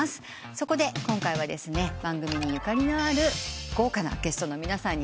そこで今回は番組にゆかりのある豪華なゲストの皆さんに来ていただきました。